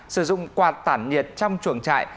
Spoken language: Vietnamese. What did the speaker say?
sử dụng quạt tản nhiệt trong chuồng trại